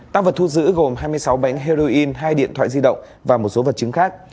tăng vật thu giữ gồm hai mươi sáu bánh heroin hai điện thoại di động và một số vật chứng khác